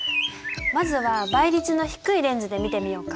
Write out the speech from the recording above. まずは倍率の低いレンズで見てみようか。